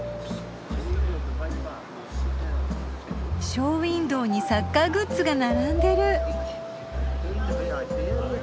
ショーウィンドーにサッカーグッズが並んでる。